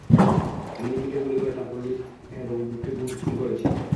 আমি নিজেকে গুলি করে তারপর লুইস এবং ব্যুককে খুন করেছি!